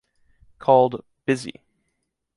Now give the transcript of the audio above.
Called “Busy.”